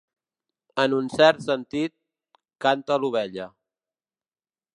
En un cert sentit, canta l'ovella.